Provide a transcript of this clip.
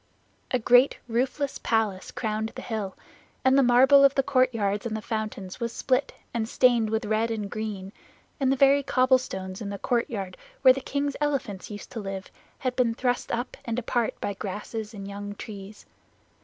A great roofless palace crowned the hill, and the marble of the courtyards and the fountains was split, and stained with red and green, and the very cobblestones in the courtyard where the king's elephants used to live had been thrust up and apart by grasses and young trees.